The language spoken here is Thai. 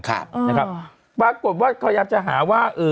ปรากฏว่าเขาอยากจะหาว่า